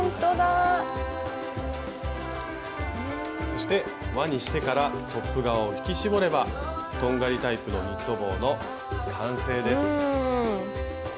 そして輪にしてからトップ側を引き絞れば「とんがりタイプのニット帽」の完成です。